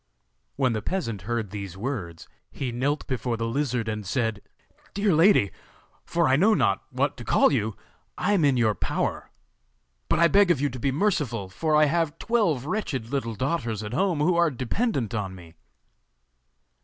When the peasant heard these words he knelt before the lizard and said: 'Dear lady, for I know not what to call you, I am in your power; but I beg of you to be merciful, for I have twelve wretched little daughters at home who are dependent on me.